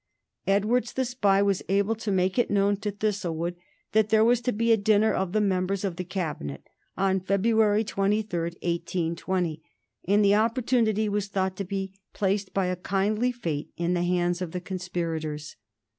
Edwards, the spy, was able to make it known to Thistlewood that there was to be a dinner of the members of the Cabinet on February 23, 1820, and the opportunity was thought to be placed by a kindly fate in the hands of the conspirators.